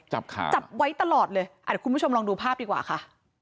ขาจับไว้ตลอดเลยอ่ะเดี๋ยวคุณผู้ชมลองดูภาพดีกว่าค่ะ